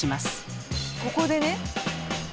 ここでね。